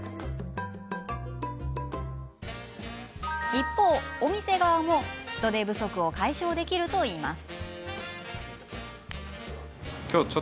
一方、お店側も人手不足を解消できるといいます。